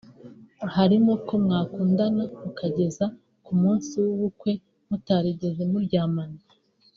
harimo ko mwakundana mukageza ku munsi w’ubukwe mutarigeze muryamana